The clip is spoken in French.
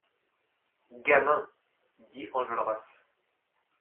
Gamin ! dit Enjolras.